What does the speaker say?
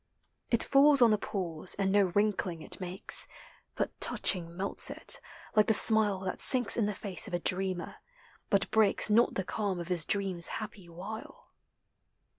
It falls on the pools, and no wrinkling it makes, But touching melts in. like the smile Thatsinks in the face of a dreamer, bu1 breaks Not the calm of his dream's happy Wtle.